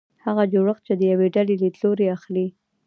هغه جوړښت چې د یوې ډلې لیدلوری اخلي.